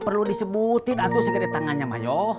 ulu ulu gak perlu disebutin atuh segede tangannya ma